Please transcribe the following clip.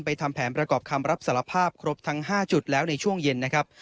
ทำแผนประกอบคำรับสารภาพครบทั้ง๕จุดแล้วในช่วงเย็นนะครับ